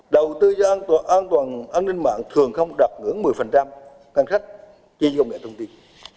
đầu tư cho an toàn an ninh mạng thường không đạt ngưỡng một mươi ngăn khách trên công nghệ thông tin